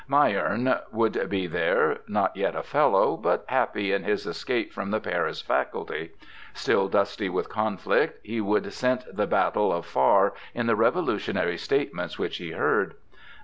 Mayerne would be there, not yet a Fellow, but happy in his escape from the Paris Faculty; still dusty with conflict, he would scent the battle afar in the revolutionary state ments which he heard.